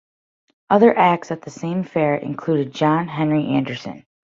Other acts at the same fair included John Henry Anderson.